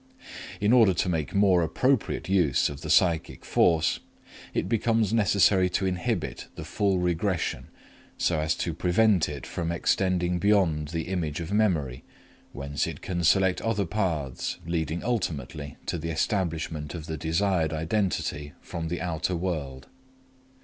In order to make more appropriate use of the psychic force, it becomes necessary to inhibit the full regression so as to prevent it from extending beyond the image of memory, whence it can select other paths leading ultimately to the establishment of the desired identity from the outer world.